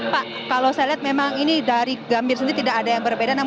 pak kalau saya lihat memang ini dari gambir sendiri tidak ada yang berbeda